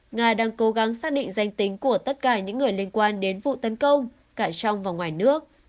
nga đang cố gắng xác định danh tính của tất cả những người liên quan đến vụ tấn công cả trong và ngoài nước